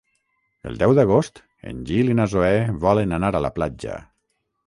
El deu d'agost en Gil i na Zoè volen anar a la platja.